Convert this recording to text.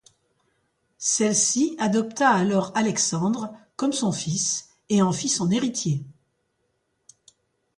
Celle-ci adopta alors Alexandre comme son fils et en fit son héritier.